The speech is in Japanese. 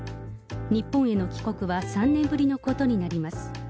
日本への帰国は３年ぶりのことになります。